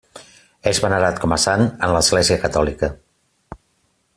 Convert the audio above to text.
És venerat com a sant a l'Església catòlica.